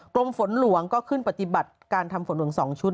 กรมฝนหลวงก็ขึ้นปฏิบัติการทำฝนหลวง๒ชุด